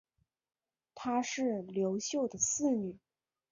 她是刘秀的四女。